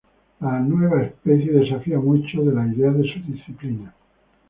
La nueva especie desafía muchas de las ideas de su disciplina.